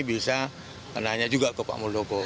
bisa nanya juga ke pak muldoko